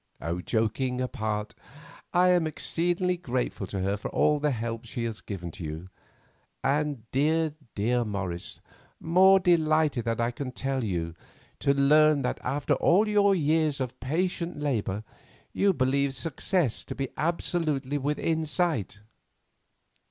Joking apart, I am exceedingly grateful to her for all the help she has given you, and, dear, dear Morris, more delighted than I can tell you to learn that after all your years of patient labour you believe success to be absolutely within sight.